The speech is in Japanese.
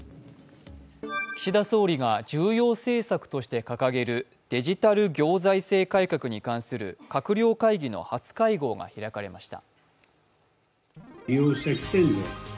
岸田総理が重要政策として掲げるデジタル行財政改革に関する閣僚会議の初会合が開かれました。